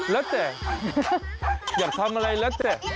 แล้วแต่อยากทำอะไรแล้วแต่